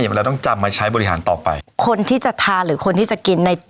เราต้องจำมาใช้บริหารต่อไปคนที่จะทานหรือคนที่จะกินใน